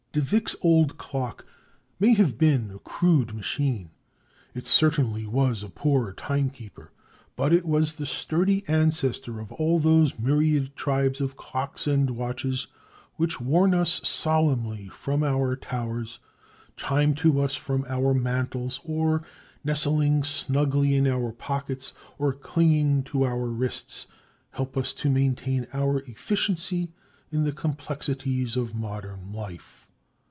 De Vick's old clock may have been a crude machine—it certainly was a poor timekeeper—but it was the sturdy ancestor of all those myriad tribes of clocks and watches which warn us solemnly from our towers, chime to us from our mantels, or, nestling snugly in our pockets, or clinging to our wrists, help us to maintain our efficiency in the complexities of modern life.